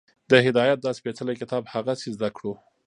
د هدایت دا سپېڅلی کتاب هغسې زده کړو